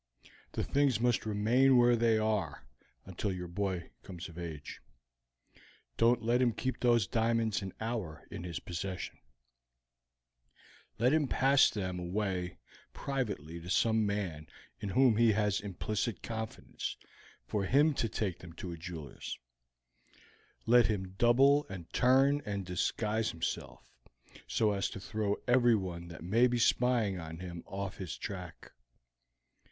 The things must remain where they are until your boy comes of age. Don't let him keep those diamonds an hour in his possession; let him pass them away privately to some man in whom he has implicit confidence, for him to take them to a jeweler's; let him double and turn and disguise himself so as to throw everyone that may be spying on him off his track.